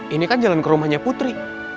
ini kan jalan ke rumahnya putri